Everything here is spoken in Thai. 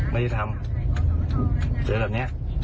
ไม่ได้ถาม